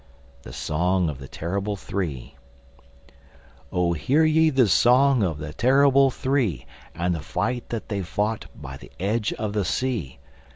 THE SONG OF THE TERRIBLE THREE Oh hear ye the Song of the Terrible Three And the fight that they fought by the edge of the sea.